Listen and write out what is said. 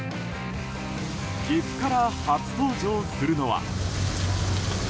岐阜から初登場するのは。